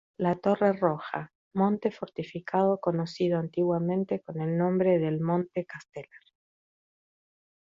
La Torre Roja: Monte fortificado conocido antiguamente con el nombre del "Monte Castellar".